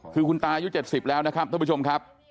คือคุณตายุ๗๐แล้วนะครับท่านผู้ชมครับ